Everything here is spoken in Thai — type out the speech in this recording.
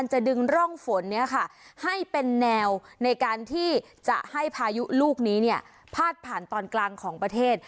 ในการที่จะให้พายุลูกนี้เนี่ยพาดผ่านตอนกลางของประเทศ